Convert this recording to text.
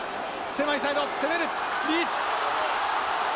狭いサイド攻めるリーチ。